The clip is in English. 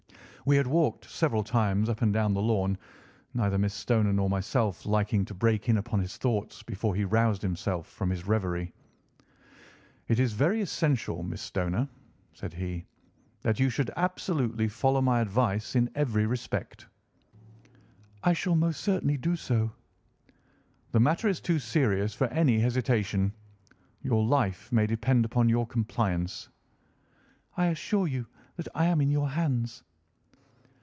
We had walked several times up and down the lawn, neither Miss Stoner nor myself liking to break in upon his thoughts before he roused himself from his reverie. "It is very essential, Miss Stoner," said he, "that you should absolutely follow my advice in every respect." "I shall most certainly do so." "The matter is too serious for any hesitation. Your life may depend upon your compliance." "I assure you that I am in your hands."